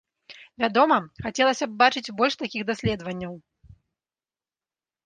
Вядома, хацелася б бачыць больш такіх даследаванняў.